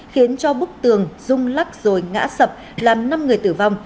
khiến cho bức tường rung lắc rồi ngã sập làm năm người tử vong